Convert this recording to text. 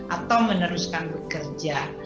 atau meneruskan bekerja